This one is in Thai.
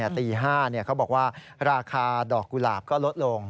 ตี๕เขาบอกว่าราคาดอกกุหลาบก็ลดลง